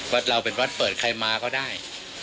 วัดเราเป็นวัดเปิดใครมาก็ได้